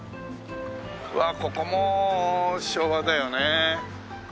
わあここも昭和だよね。